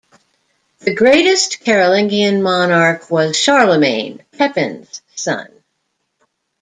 The greatest Carolingian monarch was Charlemagne, Pepin's son.